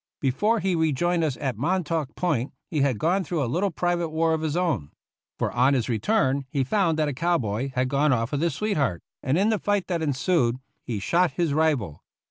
Before he rejoined us at Montauk Point he had gone through a little private war of his own ; for on his return he found that a cow boy had gone off with his sweetheart, and in the fight that ensued he shot his rival.